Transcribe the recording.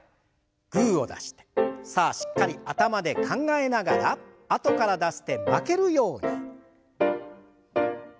グーを出してさあしっかり頭で考えながらあとから出す手負けるように。